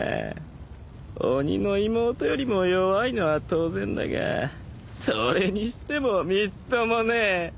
鬼の妹よりも弱いのは当然だがそれにしてもみっともねえ。